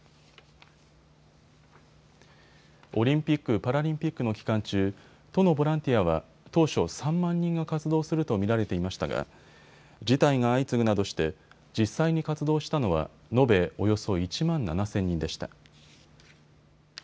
オリンピック・パラリンピックの期間中、都のボランティアは当初３万人が活動すると見られていましたが辞退が相次ぐなどして実際に活動したのは延べおよそ１万７０００人でした。